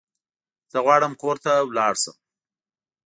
زه غواړم کور ته لاړ شم